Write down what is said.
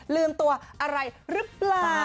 ลืมตัวอะไรหรือเปล่า